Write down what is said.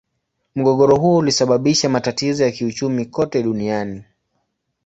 Mgogoro huo ulisababisha matatizo ya kiuchumi kote duniani.